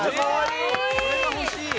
これは欲しい！